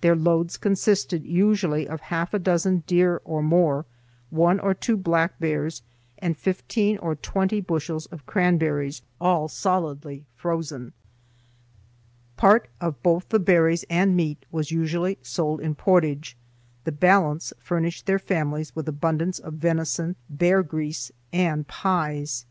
Their loads consisted usually of half a dozen deer or more, one or two black bears, and fifteen or twenty bushels of cranberries; all solidly frozen. Part of both the berries and meat was usually sold in Portage; the balance furnished their families with abundance of venison, bear grease, and pies.